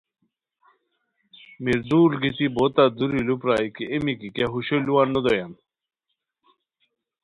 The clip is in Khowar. میردول گیتی بوتہ دُوری لُو پرائے کی ایے میکی کیہ ہوشو لُوان نودویان